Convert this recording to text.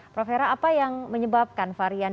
prof hera apa yang menyebabkan varian